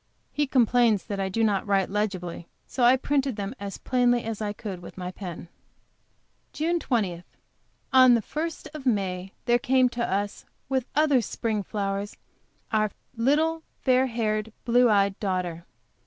He com plains that I do not write legibly, so I printed them as plainly as I could, with my pen. JUNE 20. On the first of May, there came to us, with other spring flowers, our little fair haired, blue eyed daughter.